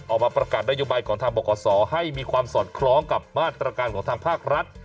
ออกมาประกาศนโยบายของทางบขให้มีความสอดคล้องกับมาตรการของทางภาครัฐ